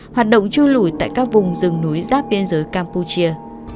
hoạt động chư lũi tại các vùng rừng núi ráp biên giới campuchia